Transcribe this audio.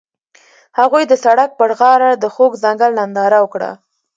هغوی د سړک پر غاړه د خوږ ځنګل ننداره وکړه.